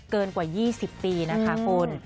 เกินกว่า๒๐ปีนะคะคุณ